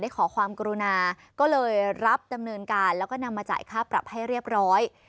ขอความกรุณาก็เลยรับดำเนินการแล้วก็นำมาจ่ายค่าปรับให้เรียบร้อย